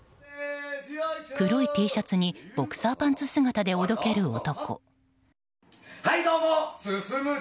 黒いＴシャツにボクサーパンツ姿でおどける男。